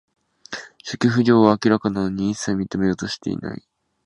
初期不良は明らかなのに、いっさい認めようとしない